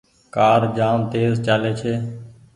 ڪآر جآم تيز چآلي ڇي۔